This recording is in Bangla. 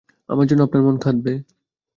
আমার জন্য আপনার মন কাঁদবে?